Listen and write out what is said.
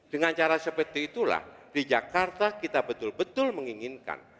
dengan cara seperti itulah di jakarta kita betul betul menginginkan